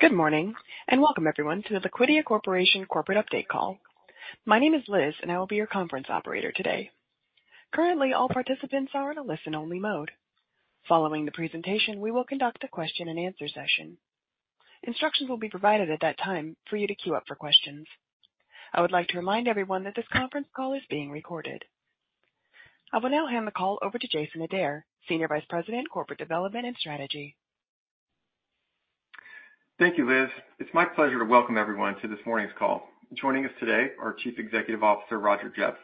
Good morning, welcome everyone to the Liquidia Corporation corporate update call. My name is Liz, and I will be your conference operator today. Currently, all participants are in a listen-only mode. Following the presentation, we will conduct a question-and-answer session. Instructions will be provided at that time for you to queue up for questions. I would like to remind everyone that this conference call is being recorded. I will now hand the call over to Jason Adair, Senior Vice President, Corporate Development and Strategy. Thank you, Liz. It's my pleasure to welcome everyone to this morning's call. Joining us today are Chief Executive Officer, Roger Jeffs,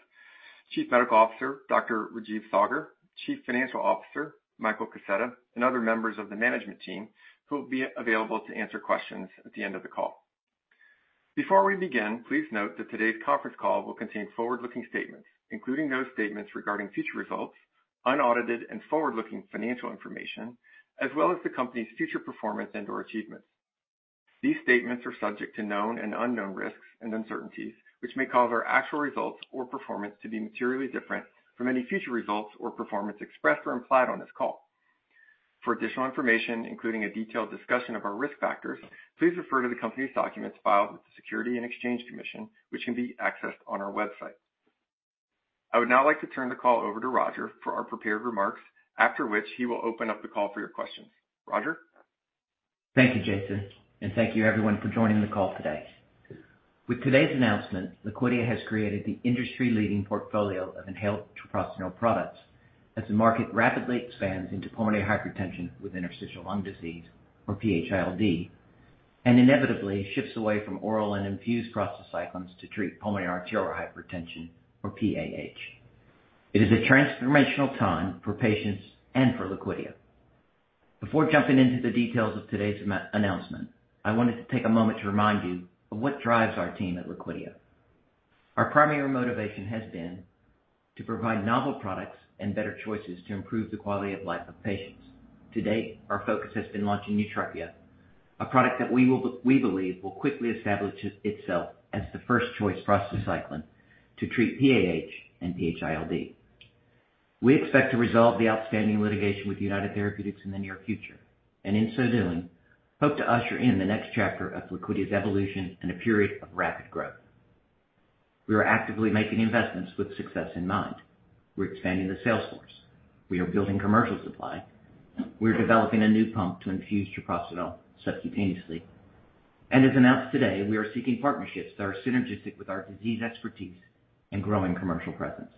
Chief Medical Officer, Dr. Rajeev Saggar, Chief Financial Officer, Michael Kaseta, and other members of the management team, who will be available to answer questions at the end of the call. Before we begin, please note that today's conference call will contain forward-looking statements, including those statements regarding future results, unaudited and forward-looking financial information, as well as the company's future performance and/or achievements. These statements are subject to known and unknown risks and uncertainties, which may cause our actual results or performance to be materially different from any future results or performance expressed or implied on this call. For additional information, including a detailed discussion of our risk factors, please refer to the company's documents filed with the Securities and Exchange Commission, which can be accessed on our website. I would now like to turn the call over to Roger for our prepared remarks, after which he will open up the call for your questions. Roger? Thank you, Jason, and thank you everyone for joining the call today. With today's announcement, Liquidia has created the industry-leading portfolio of inhaled treprostinil products as the market rapidly expands into pulmonary hypertension with interstitial lung disease, or PH-ILD, and inevitably shifts away from oral and infused prostacyclins to treat pulmonary arterial hypertension, or PAH. It is a transformational time for patients and for Liquidia. Before jumping into the details of today's announcement, I wanted to take a moment to remind you of what drives our team at Liquidia. Our primary motivation has been to provide novel products and better choices to improve the quality of life of patients. To date, our focus has been launching YUTREPIA, a product that we believe will quickly establish itself as the first choice prostacyclin to treat PAH and PH-ILD. We expect to resolve the outstanding litigation with United Therapeutics in the near future, in so doing, hope to usher in the next chapter of Liquidia's evolution and a period of rapid growth. We are actively making investments with success in mind. We're expanding the sales force. We are building commercial supply. We're developing a new pump to infuse treprostinil subcutaneously. As announced today, we are seeking partnerships that are synergistic with our disease expertise and growing commercial presence.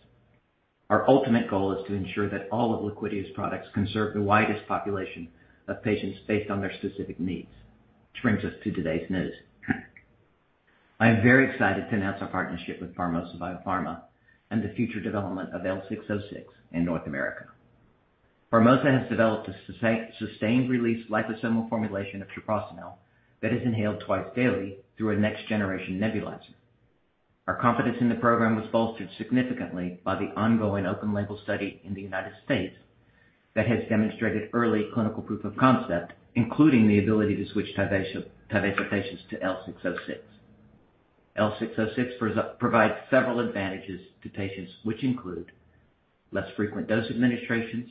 Our ultimate goal is to ensure that all of Liquidia's products can serve the widest population of patients based on their specific needs, which brings us to today's news. I am very excited to announce our partnership with Pharmosa Biopharm and the future development of L606 in North America. Pharmosa has developed a sustained-release liposomal formulation of treprostinil that is inhaled twice daily through a next-generation nebulizer. Our confidence in the program was bolstered significantly by the ongoing open label study in the United States that has demonstrated early clinical proof of concept, including the ability to switch Tyvaso patients to L-six oh six. L-six oh six provides several advantages to patients, which include less frequent dose administrations,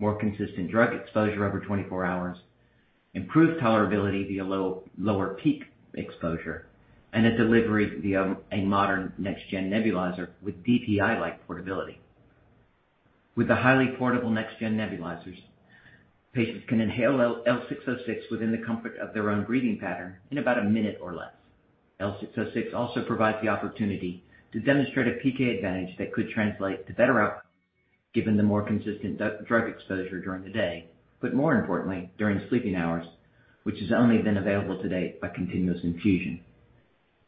more consistent drug exposure over 24 hours, improved tolerability via lower peak exposure, and a delivery via a modern next gen nebulizer with DPI-like portability. With the highly portable next gen nebulizers, patients can inhale L-six oh six within the comfort of their own breathing pattern in about 1 minute or less. L606 also provides the opportunity to demonstrate a PK advantage that could translate to better out, given the more consistent drug exposure during the day, but more importantly, during sleeping hours, which has only been available to date by continuous infusion.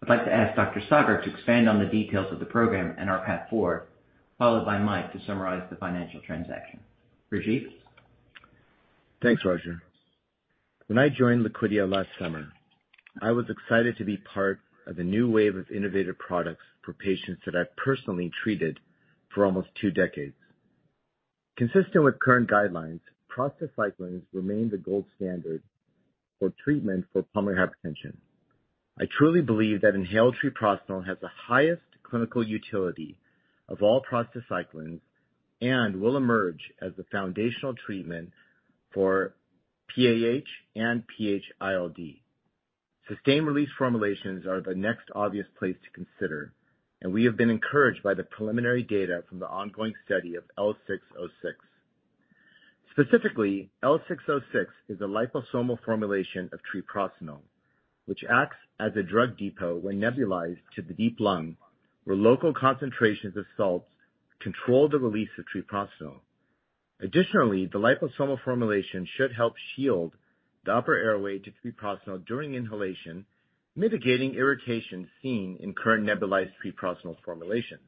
I'd like to ask Dr. Saggar to expand on the details of the program and our path forward, followed by Mike to summarize the financial transaction. Rajeev? Thanks, Roger. When I joined Liquidia last summer, I was excited to be part of the new wave of innovative products for patients that I've personally treated for almost 2 decades. Consistent with current guidelines, prostacyclins remain the gold standard for treatment for pulmonary hypertension. I truly believe that inhaled treprostinil has the highest clinical utility of all prostacyclins and will emerge as the foundational treatment for PAH and PH-ILD. Sustained-release formulations are the next obvious place to consider, and we have been encouraged by the preliminary data from the ongoing study of L-six oh six. Specifically, L-six oh six is a liposomal formulation of treprostinil, which acts as a drug depot when nebulized to the deep lung, where local concentrations of salts control the release of treprostinil. Additionally, the liposomal formulation should help shield the upper airway to treprostinil during inhalation, mitigating irritation seen in current nebulized treprostinil formulations.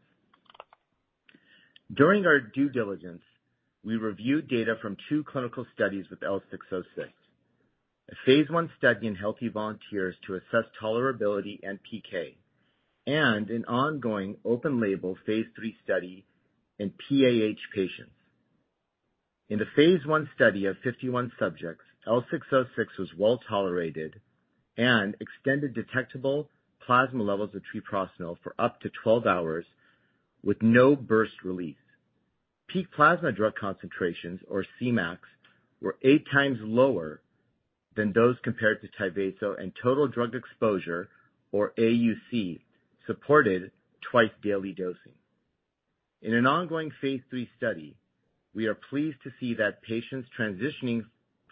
During our due diligence, we reviewed data from 2 clinical studies with L606: a phase 1 study in healthy volunteers to assess tolerability and PK, and an ongoing open label phase 3 study in PAH patients. In the phase 1 study of 51 subjects, L606 was well tolerated and extended detectable plasma levels of treprostinil for up to 12 hours with no burst release. Peak plasma drug concentrations, or Cmax, were 8 times lower than those compared to Tyvaso and total drug exposure, or AUC, supported twice-daily dosing. In an ongoing phase 3 study, we are pleased to see that patients transitioning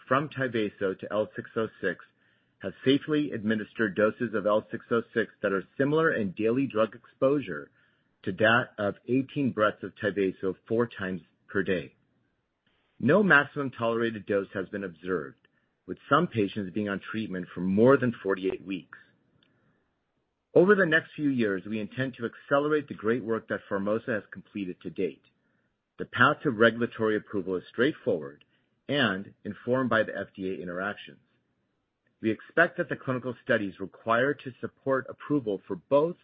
from Tyvaso to L606 have safely administered doses of L606 that are similar in daily drug exposure to that of 18 breaths of Tyvaso 4 times per day. No maximum tolerated dose has been observed, with some patients being on treatment for more than 48 weeks. Over the next few years, we intend to accelerate the great work that Pharmosa has completed to date. The path to regulatory approval is straightforward and informed by the FDA interactions. We expect that the clinical studies required to support approval for both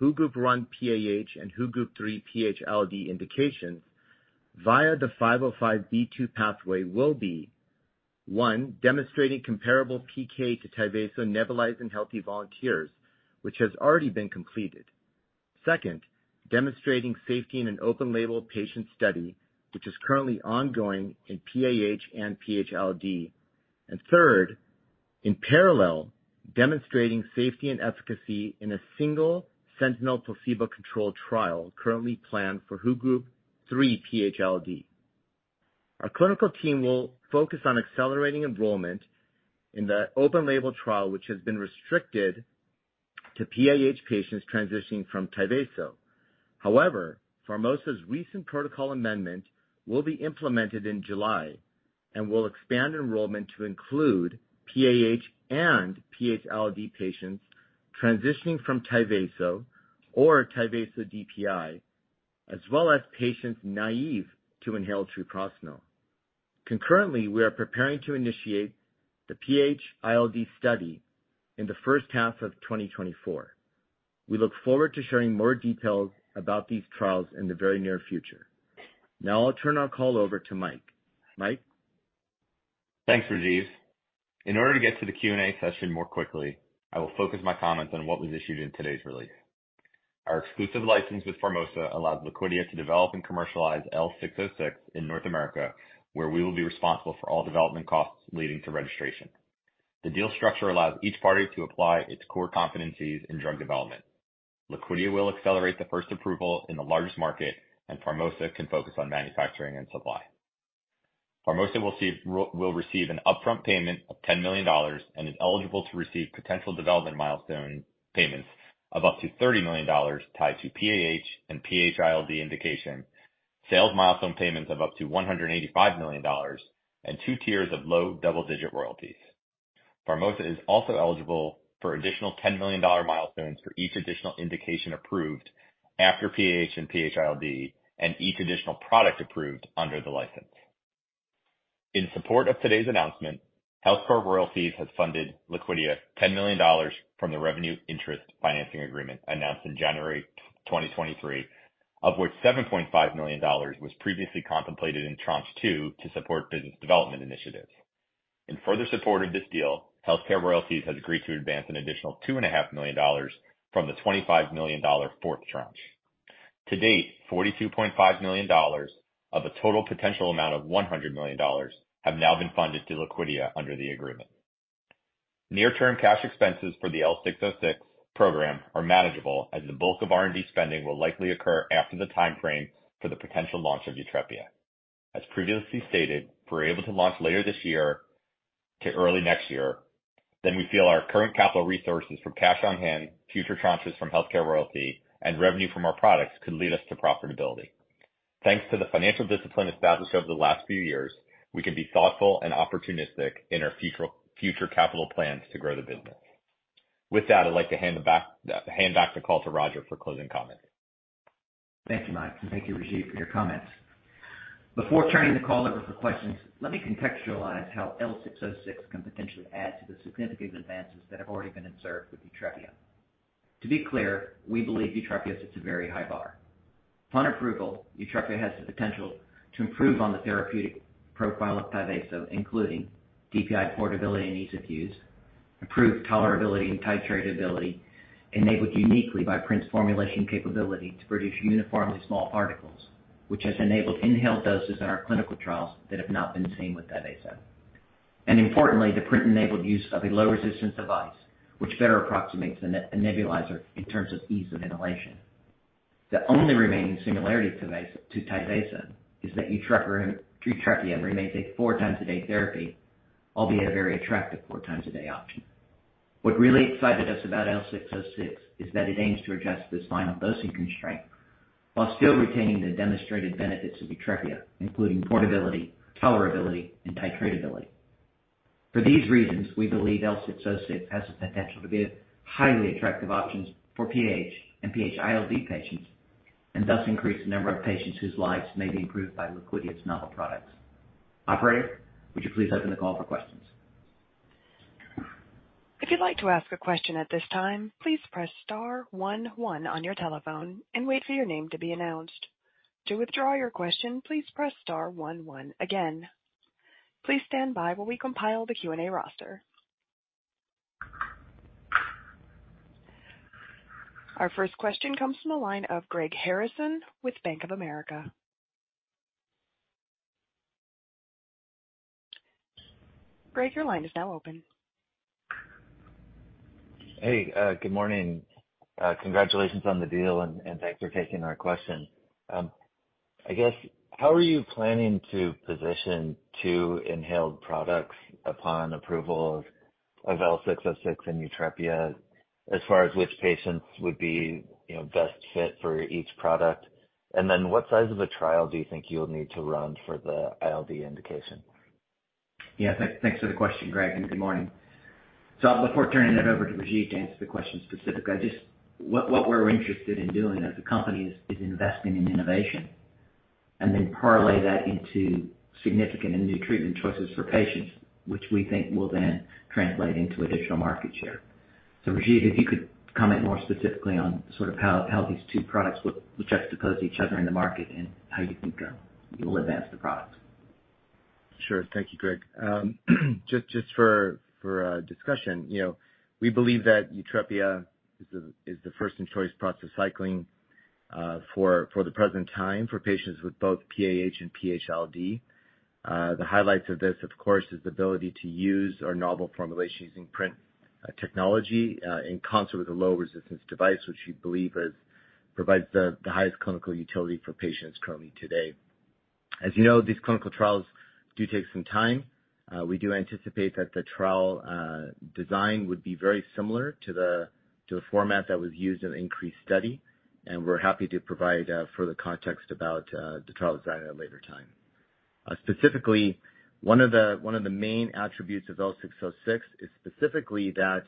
WHO Group 1 PAH and WHO Group 3 PH-ILD indications via the 505(b)(2) pathway will be, 1, demonstrating comparable PK to Tyvaso nebulized in healthy volunteers, which has already been completed. Second, demonstrating safety in an open label patient study, which is currently ongoing in PAH and PH-ILD. And third, in parallel, demonstrating safety and efficacy in a single sentinel placebo-controlled trial currently planned for WHO Group 3 PH-ILD. Our clinical team will focus on accelerating enrollment in the open label trial, which has been restricted to PAH patients transitioning from Tyvaso. Pharmosa's recent protocol amendment will be implemented in July and will expand enrollment to include PAH and PH-ILD patients transitioning from Tyvaso or Tyvaso DPI, as well as patients naive to inhaled treprostinil. Concurrently, we are preparing to initiate the PH-ILD study in the H1 of 2024. We look forward to sharing more details about these trials in the very near future. I'll turn our call over to Mike. Mike? Thanks, Rajeev. In order to get to the Q&A session more quickly, I will focus my comments on what was issued in today's release. Our exclusive license with Pharmosa allows Liquidia to develop and commercialize L606 in North America, where we will be responsible for all development costs leading to registration. The deal structure allows each party to apply its core competencies in drug development. Liquidia will accelerate the first approval in the largest market, and Pharmosa can focus on manufacturing and supply. Pharmosa will receive an upfront payment of $10 million and is eligible to receive potential development milestone payments of up to $30 million tied to PAH and PH-ILD indication, sales milestone payments of up to $185 million, and two tiers of low double-digit royalties. Pharmosa is also eligible for additional $10 million milestones for each additional indication approved after PAH and PH-ILD and each additional product approved under the license. In support of today's announcement, HealthCare Royalty has funded Liquidia $10 million from the revenue interest financing agreement announced in January 2023, of which $7.5 million was previously contemplated in tranche 2 to support business development initiatives. In further support of this deal, HealthCare Royalty has agreed to advance an additional $2.5 million from the $25 million fourth tranche. To date, $42.5 million of a total potential amount of $100 million have now been funded to Liquidia under the agreement. Near-term cash expenses for the L-six-oh-six program are manageable, as the bulk of R&D spending will likely occur after the timeframe for the potential launch of YUTREPIA. As previously stated, if we're able to launch later this year to early next year, then we feel our current capital resources from cash on hand, future tranches from HealthCare Royalty, and revenue from our products could lead us to profitability. Thanks to the financial discipline established over the last few years, we can be thoughtful and opportunistic in our future capital plans to grow the business. With that, I'd like to hand the back, hand back the call to Roger for closing comments. Thank you, Mike, and thank you, Rajeev, for your comments. Before turning the call over for questions, let me contextualize how L606 can potentially add to the significant advances that have already been observed with YUTREPIA. To be clear, we believe YUTREPIA sits a very high bar. Upon approval, YUTREPIA has the potential to improve on the therapeutic profile of Tyvaso, including DPI portability and ease of use, improved tolerability and titratability, enabled uniquely by PRINT's formulation capability to produce uniformly small particles, which has enabled inhaled doses in our clinical trials that have not been seen with Tyvaso. Importantly, the PRINT-enabled use of a low-resistance device, which better approximates the nebulizer in terms of ease of inhalation. The only remaining similarity to Tyvaso is that YUTREPIA remains a four-times-a-day therapy, albeit a very attractive four-times-a-day option. What really excited us about L606 is that it aims to address this final dosing constraint while still retaining the demonstrated benefits of YUTREPIA, including portability, tolerability, and titratability. For these reasons, we believe L606 has the potential to be a highly attractive options for PH and PH-ILD patients, and thus increase the number of patients whose lives may be improved by Liquidia's novel products. Operator, would you please open the call for questions? If you'd like to ask a question at this time, please press star one one on your telephone and wait for your name to be announced. To withdraw your question, please press star one one again. Please stand by while we compile the Q&A roster. Our first question comes from the line of Greg Harrison with Bank of America. Greg, your line is now open. Hey, good morning. Congratulations on the deal, and thanks for taking our question. I guess, how are you planning to position two inhaled products upon approval of L606 and YUTREPIA, as far as which patients would be, you know, best fit for each product? What size of a trial do you think you'll need to run for the PH-ILD indication? Yeah, thanks for the question, Greg, and good morning. Before turning it over to Rajeev to answer the question specifically, what we're interested in doing as a company is investing in innovation, and then parlay that into significant and new treatment choices for patients, which we think will then translate into additional market share. Rajeev, if you could comment more specifically on sort of how these two products would juxtapose each other in the market and how you think you will advance the products. Sure. Thank you, Greg. just for discussion, you know, we believe that YUTREPIA is the first in-choice prostacyclin for the present time, for patients with both PAH and PH-ILD. The highlights of this, of course, is the ability to use our novel formulations in PRINT technology in concert with a low resistance device, which we believe provides the highest clinical utility for patients currently today. As you know, these clinical trials do take some time. We do anticipate that the trial design would be very similar to the format that was used in the INCREASE study, and we're happy to provide further context about the trial design at a later time. Specifically, one of the main attributes of L606 is specifically that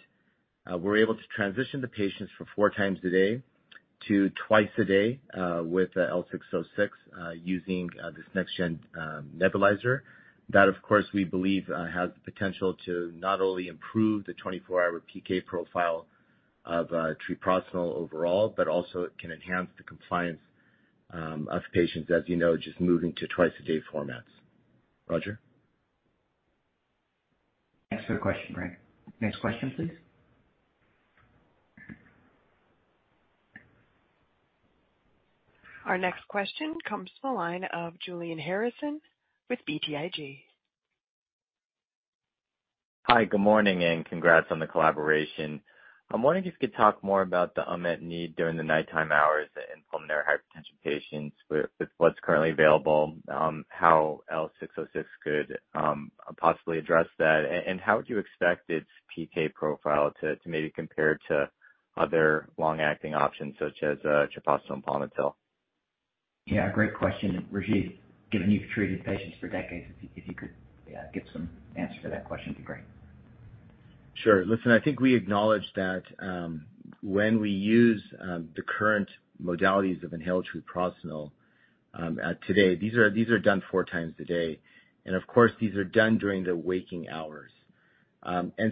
we're able to transition the patients from four times a day to twice a day with the L606 using this next gen nebulizer. That, of course, we believe has the potential to not only improve the 24-hour PK profile of treprostinil overall, but also it can enhance the compliance of patients, as you know, just moving to twice-a-day formats. Roger? Thanks for the question, Greg. Next question, please. Our next question comes from the line of Julian Harrison with BTIG. Hi, good morning. Congrats on the collaboration. I'm wondering if you could talk more about the unmet need during the nighttime hours in pulmonary hypertension patients with what's currently available, how L606 could possibly address that. How would you expect its PK profile to maybe compare to other long-acting options such as treprostinil palmitil? Yeah, great question, Rajeev, given you've treated patients for decades, if you could, give some answer to that question, it'd be great. Sure. Listen, I think we acknowledge that, when we use the current modalities of inhaled treprostinil today, these are done four times a day, and of course, these are done during the waking hours.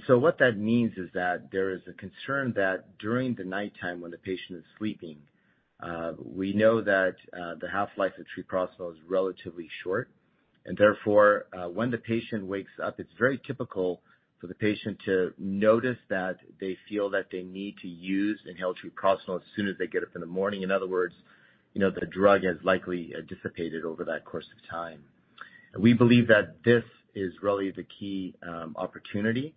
What that means is that there is a concern that during the nighttime when the patient is sleeping, we know that the half-life of treprostinil is relatively short, and therefore, when the patient wakes up, it's very typical for the patient to notice that they feel that they need to use inhaled treprostinil as soon as they get up in the morning. In other words, you know, the drug has likely dissipated over that course of time. We believe that this is really the key opportunity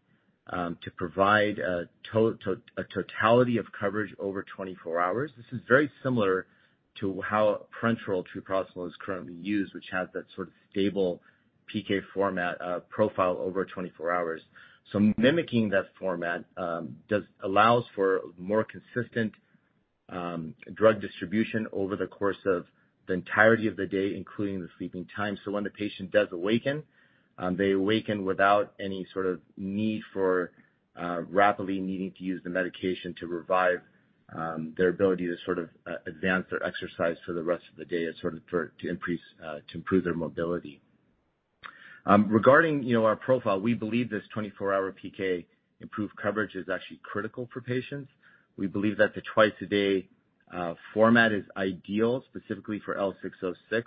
to provide a totality of coverage over 24 hours. This is very similar to how parenteral treprostinil is currently used, which has that sort of stable PK profile over 24 hours. Mimicking that format allows for more consistent drug distribution over the course of the entirety of the day, including the sleeping time. When the patient does awaken, they awaken without any sort of need for rapidly needing to use the medication to revive their ability to sort of advance or exercise for the rest of the day and to improve their mobility. Regarding, you know, our profile, we believe this 24-hour PK improved coverage is actually critical for patients. We believe that the twice-a-day, format is ideal, specifically for L606,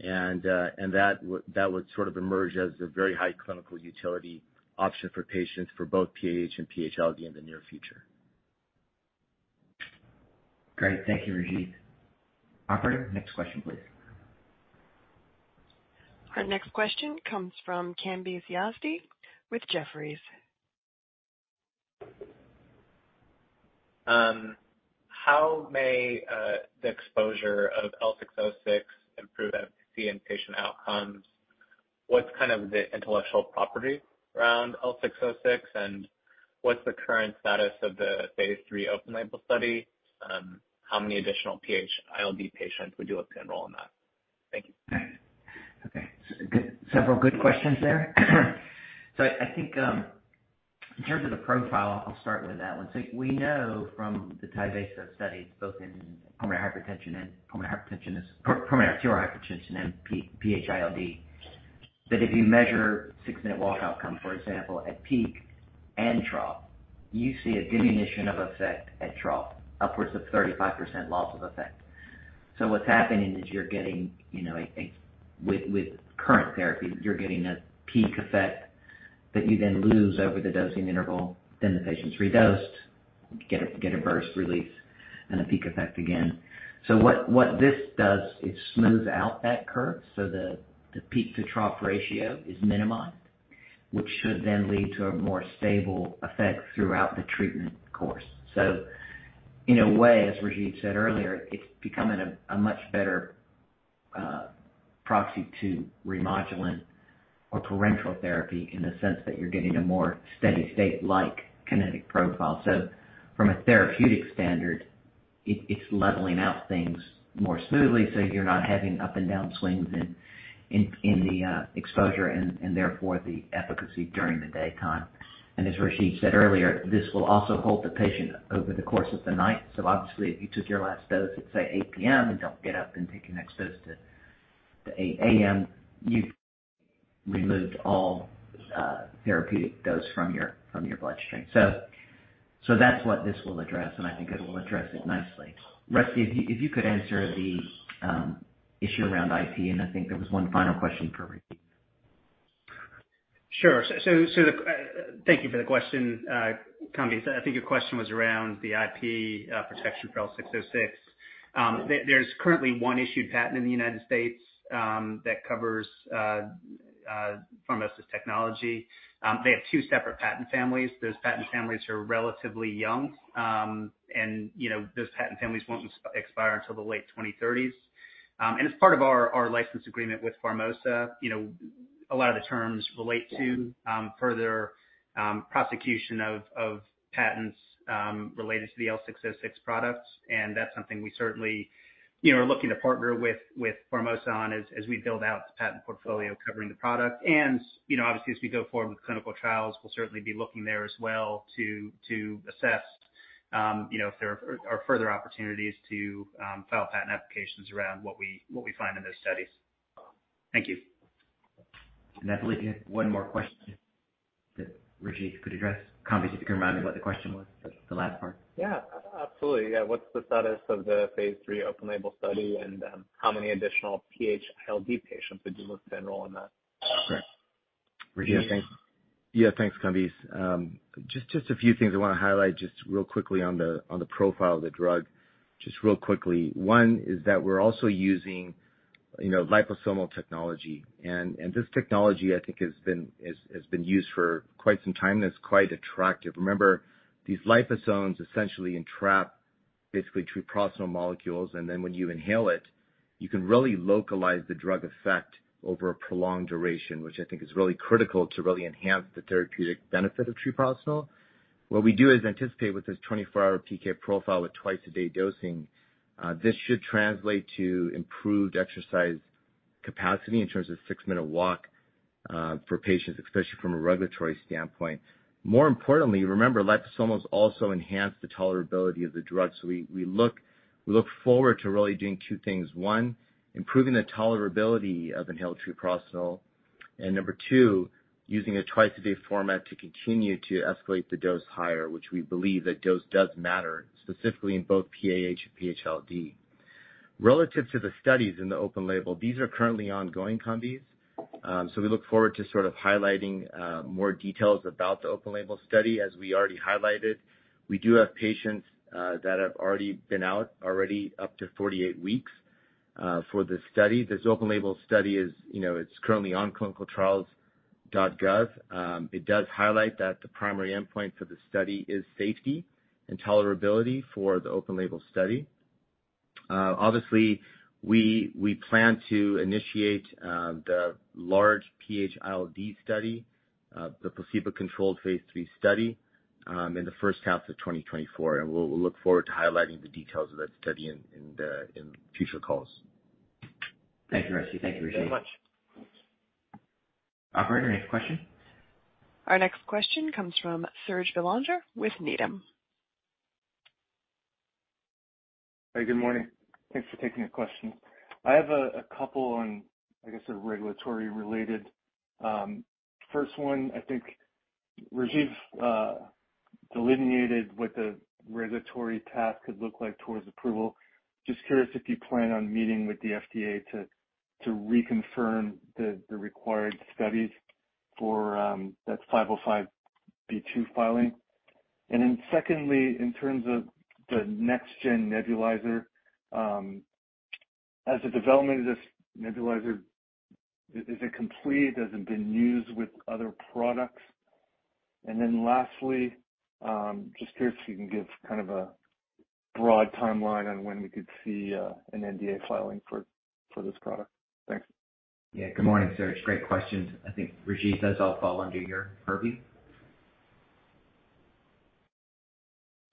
and that would sort of emerge as a very high clinical utility option for patients for both PAH and PH-ILD in the near future. Great, thank you, Rajeev.Operator, next question, please. Our next question comes from Kambiz Yazdi with Jefferies. How may the exposure of L606 improve FVC and patient outcomes? What's kind of the intellectual property around L606, and what's the current status of the phase 3 open label study? How many additional PH-ILD patients would you look to enroll in that? Thank you. Okay. Several good questions there. I think, in terms of the profile, I'll start with that one. We know from the Tyvaso studies, both in pulmonary hypertension, pulmonary arterial hypertension and PH-ILD, that if you measure six-minute walk outcome, for example, at peak and trough, you see a diminution of effect at trough, upwards of 35% loss of effect. What's happening is you're getting, you know, with current therapy, you're getting a peak effect that you then lose over the dosing interval. Then the patient's redosed, get a burst release and a peak effect again. What this does, it smooths out that curve, so the peak to trough ratio is minimized, which should then lead to a more stable effect throughout the treatment course. In a way, as Rajeev said earlier, it's becoming a much better proxy to Remodulin or parenteral therapy, in the sense that you're getting a more steady state-like kinetic profile. From a therapeutic standard, it's leveling out things more smoothly, so you're not having up and down swings in the exposure and, therefore, the efficacy during the daytime. As Rajeev said earlier, this will also hold the patient over the course of the night. Obviously, if you took your last dose at, say, 8 P.M., and don't get up and take your next dose to 8 A.M., you've removed all therapeutic dose from your bloodstream. That's what this will address, and I think it will address it nicely. Rusty, if you could answer the issue around IP, and I think there was one final question for Rajeev. Sure. Thank you for the question, Kambiz. I think your question was around the IP protection for L606. There's currently one issued patent in the United States that covers Pharmosa's technology. They have two separate patent families. Those patent families are relatively young. You know, those patent families won't expire until the late 2030s. As part of our license agreement with Pharmosa, you know, a lot of the terms relate to further prosecution of patents related to the L606 products. That's something we certainly, you know, are looking to partner with Pharmosa on as we build out the patent portfolio covering the product. you know, obviously, as we go forward with clinical trials, we'll certainly be looking there as well to assess, you know, if there are further opportunities to file patent applications around what we find in those studies. Thank you. I believe we have one more question that Rajeev could address. Kambiz, if you can remind me what the question was, the last part? Yeah, absolutely. Yeah. What's the status of the phase three open label study, and how many additional PH-ILD patients would you look to enroll in that? Great. Rajeev? Yeah, thanks. Yeah, thanks, Kambiz. Just a few things I want to highlight just real quickly on the profile of the drug. Just real quickly, one is that we're also using, you know, liposomal technology. This technology, I think, has been used for quite some time, and it's quite attractive. Remember, these liposomes essentially entrap basically treprostinil molecules, and then when you inhale it, you can really localize the drug effect over a prolonged duration, which I think is really critical to really enhance the therapeutic benefit of treprostinil. What we do is anticipate with this 24-hour PK profile with twice-a-day dosing, this should translate to improved exercise capacity in terms of 6-minute walk for patients, especially from a regulatory standpoint. More importantly, remember, liposomes also enhance the tolerability of the drug. We look forward to really doing 2 things: 1, improving the tolerability of inhaled treprostinil, and 2, using a twice-a-day format to continue to escalate the dose higher, which we believe that dose does matter, specifically in both PAH and PH-ILD. Relative to the studies in the open label, these are currently ongoing, Kambiz. We look forward to sort of highlighting more details about the open label study. As we already highlighted, we do have patients that have already been out up to 48 weeks for this study. This open label study is, you know, it's currently on ClinicalTrials.gov. It does highlight that the primary endpoint for the study is safety and tolerability for the open label study. Obviously, we plan to initiate the large PH-ILD study, the placebo-controlled phase III study, in the H1 of 2024, and we'll look forward to highlighting the details of that study in future calls. Thanks, Rusty. Thank you, Rajeev. Thank you very much. Operator, next question? Our next question comes from Serge Bélanger with Needham. Hey, good morning. Thanks for taking the question. I have a couple on, I guess, sort of regulatory related. First one, I think Rajeev delineated what the regulatory path could look like towards approval. Just curious if you plan on meeting with the FDA to reconfirm the required studies for that 505(b)(2) filing. Secondly, in terms of the next-gen nebulizer, as the development of this nebulizer, is it complete? Has it been used with other products? Lastly, just curious if you can give kind of a broad timeline on when we could see an NDA filing for this product. Thanks. Good morning, Serge. Great questions. I think, Rajeev, those all fall under your purview?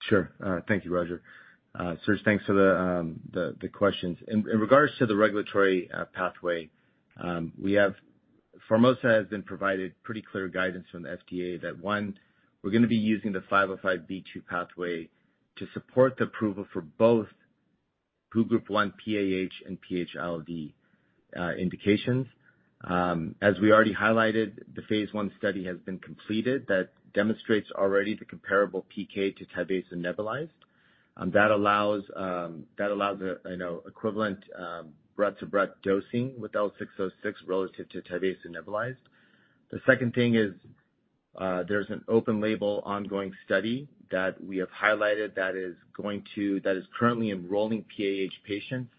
Sure. Thank you, Roger. Serge, thanks for the questions. In regards to the regulatory pathway, Pharmosa has been provided pretty clear guidance from the FDA that, 1, we're gonna be using the 505(b)(2) pathway to support the approval for both Group 1 PAH and PH-ILD indications. As we already highlighted, the Phase 1 study has been completed. That demonstrates already the comparable PK to Tyvaso nebulized. That allows a, you know, equivalent breath-to-breath dosing with L606 relative to Tyvaso nebulized. The second thing is, there's an open label ongoing study that we have highlighted that is currently enrolling PAH patients,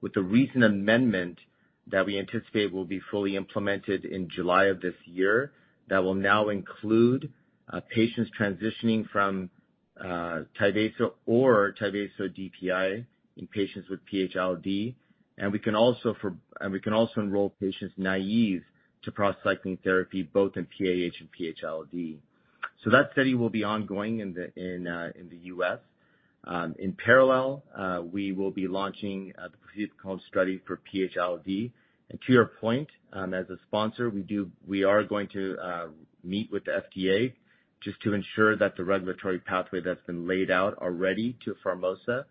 with a recent amendment that we anticipate will be fully implemented in July of this year. That will now include patients transitioning from Tyvaso or Tyvaso DPI in patients with PH-ILD. We can also enroll patients naive to prostacyclin therapy, both in PAH and PH-ILD. That study will be ongoing in the US. In parallel, we will be launching a protocol study for PH-ILD. To your point, as a sponsor, we are going to meet with the FDA just to ensure that the regulatory pathway that's been laid out already to Pharmosa,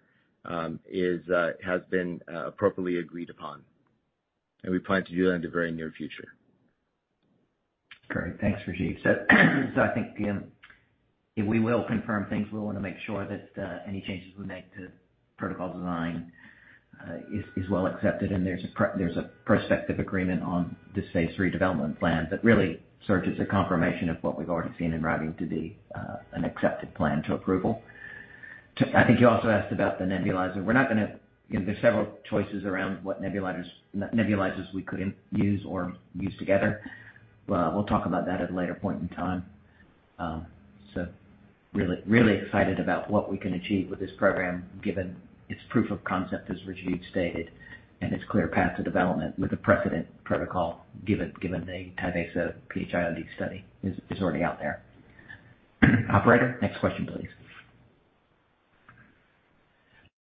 is, has been appropriately agreed upon. We plan to do that in the very near future. Great. Thanks, Rajeev. I think, if we will confirm things, we want to make sure that any changes we make to protocol design is well accepted. There's a prospective agreement on this phase 3 development plan, that really serves as a confirmation of what we've already seen in writing to be an accepted plan to approval. I think you also asked about the nebulizer. We're not gonna, you know, there's several choices around what nebulizers we could use or use together. We'll talk about that at a later point in time. Really excited about what we can achieve with this program, given its proof of concept, as Rajeev stated, and its clear path to development with the precedent protocol, given the YUTREPIA PH-ILD study is already out there. Operator, next question, please.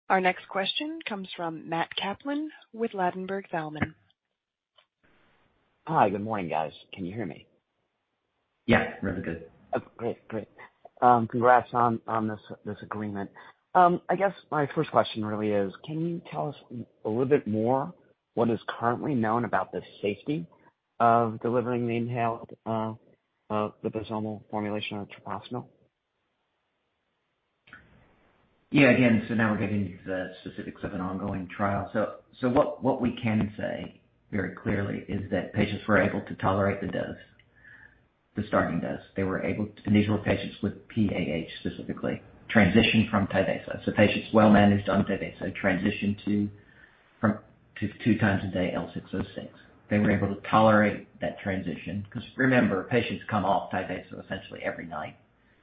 Our next question comes from Matt Kaplan with Ladenburg Thalmann. Hi. Good morning, guys. Can you hear me? Yes, really good. Okay, great. congrats on this agreement. I guess my first question really is, can you tell us a little bit more what is currently known about the safety of delivering the inhaled liposomal formulation of treprostinil? Yeah. Again, now we're getting into the specifics of an ongoing trial. What we can say very clearly is that patients were able to tolerate the dose, the starting dose. They were able to initial patients with PAH, specifically, transitioned from Tyvaso. Patients well managed on Tyvaso, transitioned from, to 2 times a day, L606. They were able to tolerate that transition, because remember, patients come off Tyvaso essentially every night.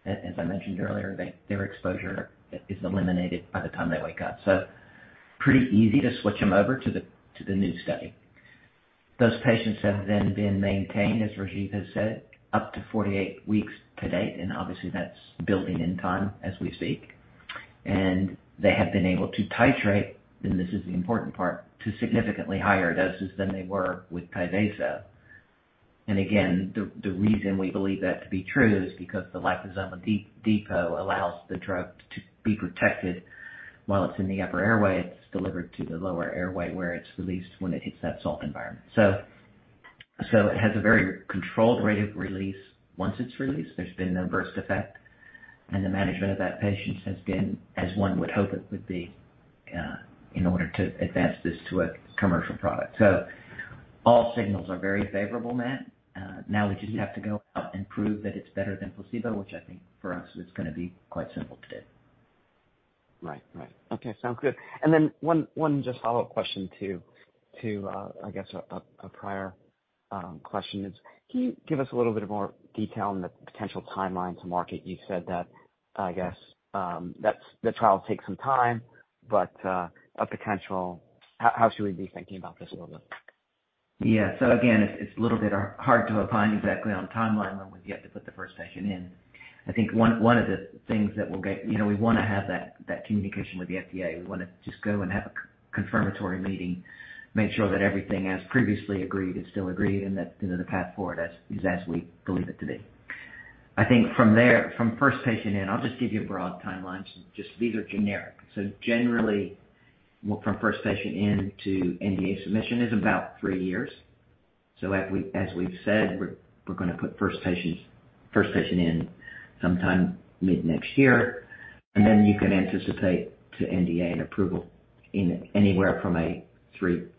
As I mentioned earlier, their exposure is eliminated by the time they wake up. Pretty easy to switch them over to the, to the new study. Those patients have then been maintained, as Rajeev has said, up to 48 weeks to date. Obviously that's building in time as we speak. They have been able to titrate, and this is the important part, to significantly higher doses than they were with Tyvaso. Again, the reason we believe that to be true is because the liposomal depot allows the drug to be protected while it's in the upper airway. It's delivered to the lower airway, where it's released when it hits that salt environment. It has a very controlled rate of release. Once it's released, there's been no burst effect, and the management of that patient has been as one would hope it would be in order to advance this to a commercial product. All signals are very favorable, Matt. Now we just have to go out and prove that it's better than placebo, which I think for us, is gonna be quite simple to do. Right. Right. Okay, sounds good. One just follow-up question to, I guess, a prior question is: Can you give us a little bit more detail on the potential timeline to market? You said that, I guess, that's the trial will take some time. A potential, how should we be thinking about this overall? Again, it's a little bit hard to opine exactly on timeline when we have to put the first patient in. I think one of the things that we'll get. You know, we wanna have that communication with the FDA. We wanna just go and have a confirmatory meeting, make sure that everything as previously agreed, is still agreed, and that, you know, the path forward is as we believe it to be. I think from there, from first patient in, I'll just give you a broad timeline. Just these are generic. Generally, well, from first patient in to NDA submission is about 3 years. As we, as we've said, we're gonna put first patients, first patient in sometime mid-next year, and then you can anticipate to NDA and approval in anywhere from a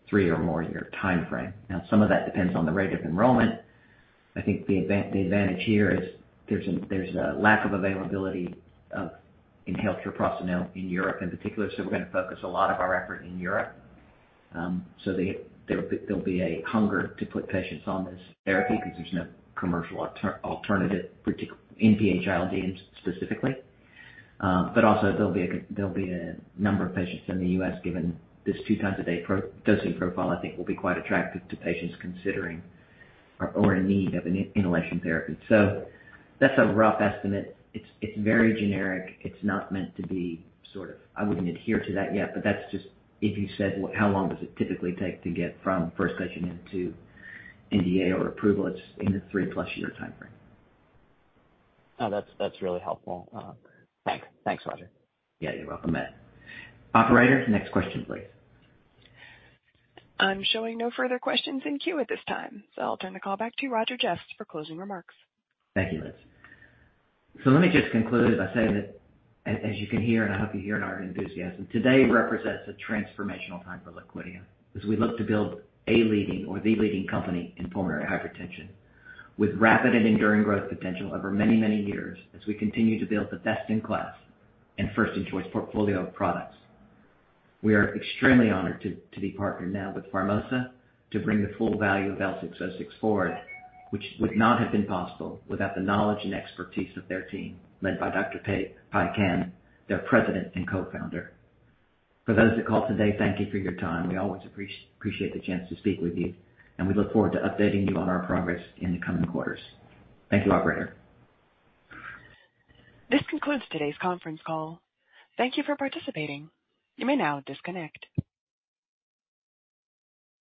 3 or more year timeframe. Now, some of that depends on the rate of enrollment. I think the advantage here is there's a, there's a lack of availability of in-healthcare personnel in Europe in particular, so we're gonna focus a lot of our effort in Europe. There'll be a hunger to put patients on this therapy because there's no commercial alternative, particular in PH-ILD specifically. Also, there'll be a number of patients in the U.S., given this 2 times a day dosing profile, I think will be quite attractive to patients considering or in need of an in- inhalation therapy. That's a rough estimate. It's very generic. It's not meant to be sort of... I wouldn't adhere to that yet, but that's just if you said, "Well, how long does it typically take to get from first patient in to NDA or approval?" It's in the 3-plus year timeframe. Oh, that's really helpful. Thanks, Roger. Yeah, you're welcome, Matt. Operator, next question, please. I'm showing no further questions in queue at this time, so I'll turn the call back to Roger Jeffs for closing remarks. Thank you, Liz. Let me just conclude, as I said, that as you can hear, and I hope you hear in our enthusiasm, today represents a transformational time for Liquidia, as we look to build a leading or the leading company in pulmonary hypertension, with rapid and enduring growth potential over many, many years as we continue to build the best-in-class and first-in-choice portfolio of products. We are extremely honored to be partnered now with Pharmosa, to bring the full value of L606 forward, which would not have been possible without the knowledge and expertise of their team, led by Dr. Pei Kan, their President and Co-founder. For those on the call today, thank you for your time. We always appreciate the chance to speak with you, and we look forward to updating you on our progress in the coming quarters. Thank you, operator. This concludes today's conference call. Thank you for participating. You may now disconnect.